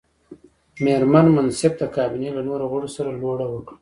مېرمن منصف د کابینې له نورو غړو سره لوړه وکړه.